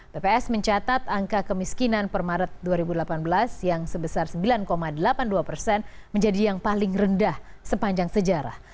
bps mencatat angka kemiskinan per maret dua ribu delapan belas yang sebesar sembilan delapan puluh dua persen menjadi yang paling rendah sepanjang sejarah